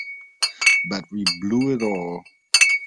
But we blew it all.